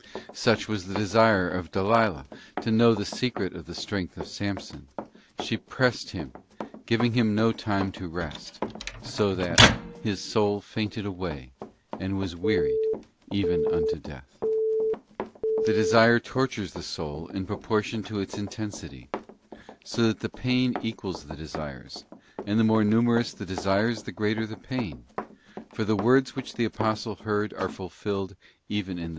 Such was the desire of Dalila to know the secret of the strength of Samson; she 'pressed him—giving him no time to rest,' so that 'his soul fainted away, and was wearied even unto death.'t The desire tortures the soul in proportion to its inten sity, so that the pain equals the desires, and the more numerous the desires the greater the pain: for the words which the apostle heard are fulfilled even in this life.